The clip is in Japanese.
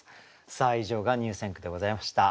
さあ以上が入選句でございました。